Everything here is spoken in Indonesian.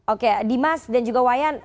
oke dimas dan juga wayan